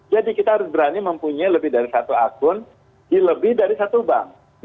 jadi kita harus berani mempunyai lebih dari satu akun di lebih dari satu bank